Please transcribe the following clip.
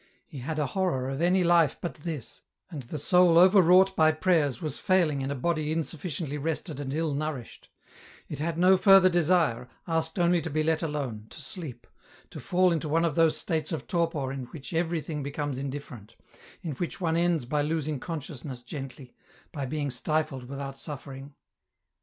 He had a horror of any life but this, and the soul overwrought by prayers was failing in a body insufficiently rested and ill nourished ; it had no further desire, asked only to be let alone, to sleep, to fall into one of those states of torpor in which everything becomes indifferent, in which one ends by losing conscious ness gently, by being stifled without suffering.